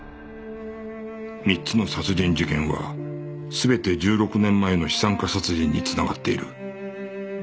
３つの殺人事件は全て１６年前の資産家殺人に繋がっている